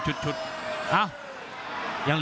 ภูตวรรณสิทธิ์บุญมีน้ำเงิน